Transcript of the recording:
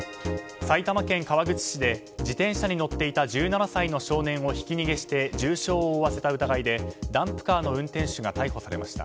埼玉県川口市で自転車に乗っていた１７歳の少年をひき逃げして重傷を負わせた疑いでダンプカーの運転手が逮捕されました。